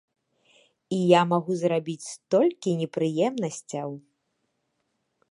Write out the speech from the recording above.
І я магу зрабіць столькі непрыемнасцяў!